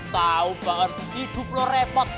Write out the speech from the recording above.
tau banget hidup lo repot